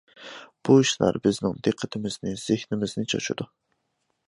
بۇ ئىشلار بىزنىڭ دىققىتىمىزنى، زېھنىمىزنى چاچىدۇ.